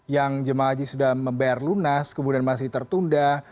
yang jemaah haji sudah membayar lunas kemudian masih tertunda